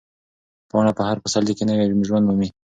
پاڼه په هر پسرلي کې نوی ژوند مومي.